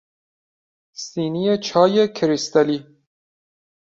سینی چای کریستالی